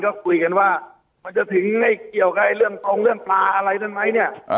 ก็คุยกันว่ามันจะถึงข้าวเองไว้เรื่องตรงเรื่องปลาอะไรจัด